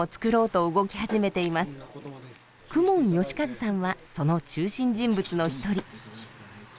公文喜一さんはその中心人物の一人。